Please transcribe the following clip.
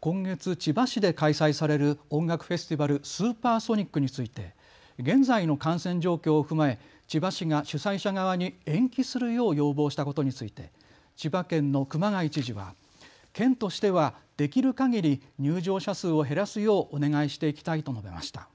今月、千葉市で開催される音楽フェスティバル、スーパーソニックについて現在の感染状況を踏まえ千葉市が主催者側に延期するよう要望したことについて千葉県の熊谷知事は県としてはできるかぎり入場者数を減らすようお願いしていきたいと述べました。